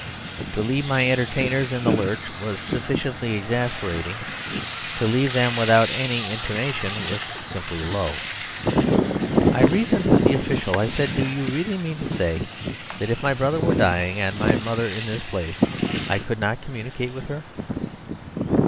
To leave my entertainers in the lurch was sufficiently exasperating; to leave them without any intimation was simply low. I reasoned with the official. I said: "Do you really mean to say that if my brother were dying and my mother in this place, I could not communicate with her?"